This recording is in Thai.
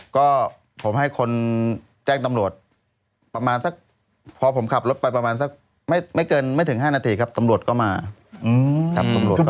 ก็ผมให้คนแจ้งตำรวจประมาณสักพอผมขับรถไปประมาณสักไม่เกินไม่ถึง๕นาทีครับตำรวจก็มาครับตำรวจ